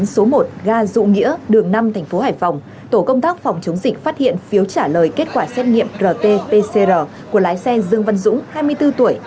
số một ga dụ nghĩa đường năm tp hải phòng tổ công tác phòng chống dịch phát hiện phiếu trả lời kết quả xét nghiệm rt pcr của lái xe dương văn dũng hai mươi bốn tuổi